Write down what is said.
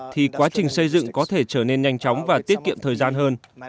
thì quá trình xây dựng có thể trở nên nhanh chóng và tiết kiệm thời gian hơn